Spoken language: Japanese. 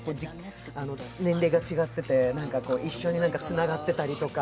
年齢が違ってて、一緒につながってたりとか。